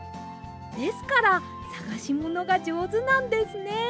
ですからさがしものがじょうずなんですね。